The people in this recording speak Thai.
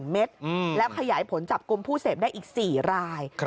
เม็ดแล้วขยายผลจับกลุ่มผู้เสพได้อีก๔ราย